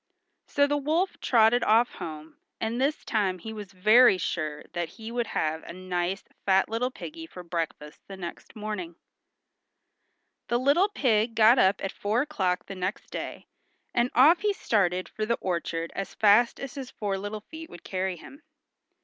So the wolf trotted off home, and this time he was very sure that he would have a nice fat little piggy for breakfast the next morning. The little pig got up at four o'clock the next day, and off he started for the orchard as fast as his four little feet would carry him.